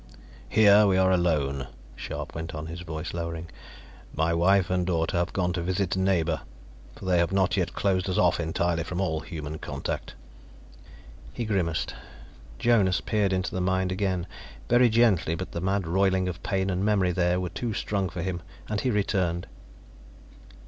"Here we are alone," Scharpe went on, his voice lowering. "My wife and daughter have gone to visit a neighbor, for they have not yet closed us off entirely from all human contact." He grimaced. Jonas peered into the mind again, very gently, but the mad roiling of pain and memory there was too strong for him, and he returned.